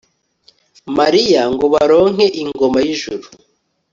mariya, ngo baronke ingoma y'ijuru